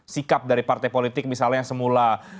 sikap dari partai politik misalnya yang semula